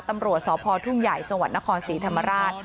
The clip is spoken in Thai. ตำรวจสพทุ่งใหญ่จังหวัดนครศรีธรรมราช